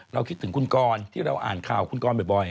คิดถึงคุณกรที่เราอ่านข่าวคุณกรบ่อย